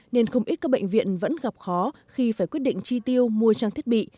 nên không ít các bệnh viện vẫn gặp khó khi phải quyết định chi tiêu mua trang thiết bị